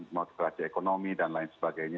motivasi ekonomi dan lain sebagainya